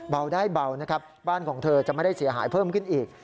เบาได้เบานะครับบ้านของเธอจะไม่ได้เสียหายเพิ่มขึ้นอีก